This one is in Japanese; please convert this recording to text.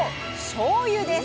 「しょうゆ」です。